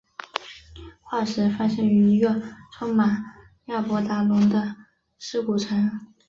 化石发现于一个充满亚伯达龙的尸骨层。